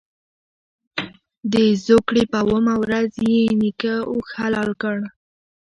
د زوکړ ې په اوومه ورځ یې نیکه اوښ حلال کړ.